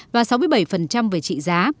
và sáu mươi bảy về trị giá